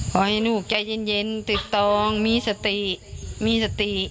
พ่อให้ลูกใจเย็นติดต้องมีสติ